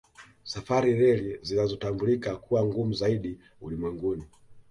Safari Rally zinazotambulika kuwa ngumu zaidi ulimwenguni